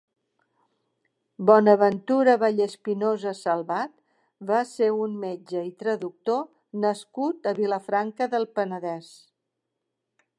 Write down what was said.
Bonaventura Vallespinosa Salvat va ser un metge i traductor nascut a Vilafranca del Penedès.